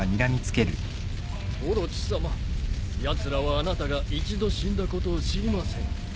オロチさまやつらはあなたが一度死んだことを知りません。